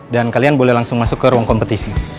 dan kalian boleh langsung masuk ke ruang kompetisi